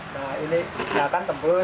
nah ini lihat kan tebus